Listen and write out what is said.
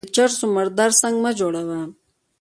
د چر سو مردار سنگ مه جوړوه.